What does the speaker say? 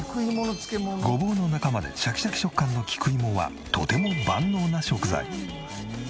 ごぼうの仲間でシャキシャキ食感の菊芋はとても万能な食材。